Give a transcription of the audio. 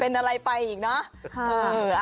เป็นอะไรไปอีกเนอะ